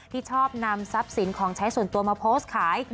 ที่ชอบนำทรัพย์สินของใช้ส่วนตัวมาโพสต์ขาย